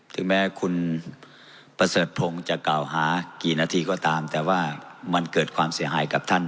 ถึงแม้คุณประเสริฐพงศ์จะกล่าวหากี่นาทีก็ตามแต่ว่ามันเกิดความเสียหายกับท่าน